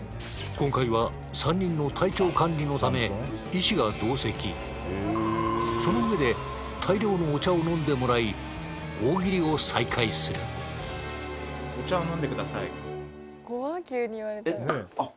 今回は３人の体調管理のため医師が同席その上で大量のお茶を飲んでもらい大喜利を再開するえっ